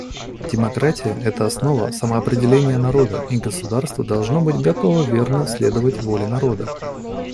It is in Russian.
Демократия — это основа самоопределения народа, и государство должно быть готово верно следовать воле народа.